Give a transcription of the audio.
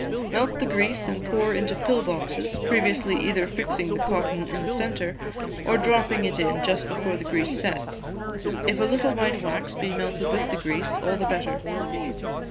Melt the grease and pour into pill boxes, previously either fixing the cotton in the centre, or dropping it in just before the grease sets. If a little white wax be melted with the grease, all the better.